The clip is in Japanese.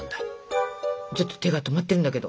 ちょっと手が止まってるんだけど。